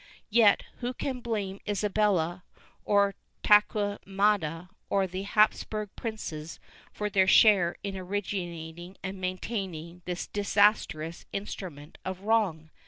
Yet who can blame Isabella or Tor quemada or the Hapsburg princes for their share in originating and maintaining this disastrous instrument of wrong?